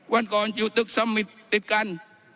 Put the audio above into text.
วันก่อนอยู่ตึกสมิตรติดกัน